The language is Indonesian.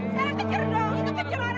nanti sekarang kejar dong